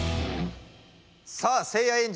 さあせいやエンジ